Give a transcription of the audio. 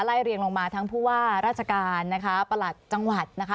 เรียงลงมาทั้งผู้ว่าราชการนะคะประหลัดจังหวัดนะคะ